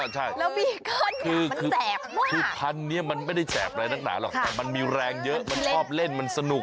ใช่คือพันธุ์นี้มันไม่ได้แจบอะไรหนักหนาหรอกแต่มันมีแรงเยอะมันชอบเล่นมันสนุก